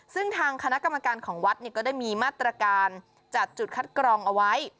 ซึ่งทางคณะกรรมการของวัดก็ได้มีมาตรการจัดจุดคัดกรองเอาไว้